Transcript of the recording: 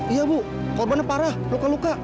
iya bu korbannya parah luka luka